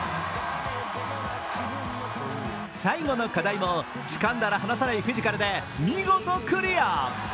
最後の課題も、つかんだら離さないフィジカルで見事クリア。